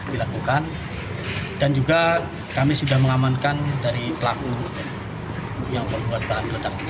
dilakukan dan juga kami sudah mengamankan dari pelaku yang membuat bahan peledak